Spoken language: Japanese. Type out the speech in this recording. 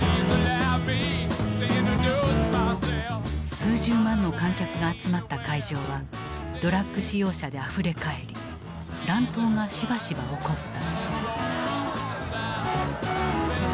数十万の観客が集まった会場はドラッグ使用者であふれ返り乱闘がしばしば起こった。